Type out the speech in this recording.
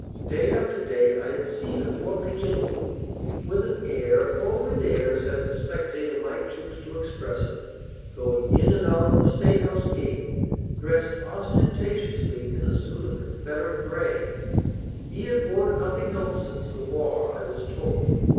Day after day I had seen a portly gentleman with an air, or with airs, as the spectator might choose to express it going in and out of the State House gate, dressed ostentatiously in a suit of Confederate gray. He had worn nothing else since the war, I was told.